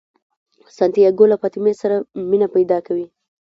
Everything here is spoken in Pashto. سانتیاګو له فاطمې سره مینه پیدا کوي.